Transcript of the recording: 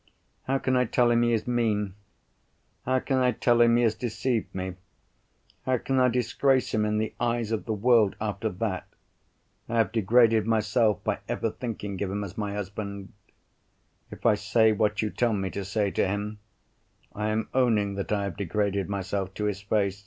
How can I tell him he is mean, how can I tell him he has deceived me, how can I disgrace him in the eyes of the world after that? I have degraded myself by ever thinking of him as my husband. If I say what you tell me to say to him—I am owning that I have degraded myself to his face.